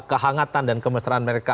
kehangatan dan kemesraan mereka